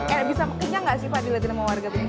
eh bisa kenyang gak sih pak dilihatin sama warga sini